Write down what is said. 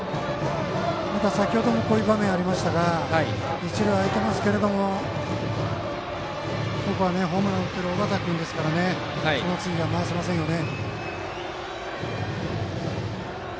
先程もこういう場面ありましたが一塁が空いてますけどホームランを打っている尾形君ですからその次には回せませんよね。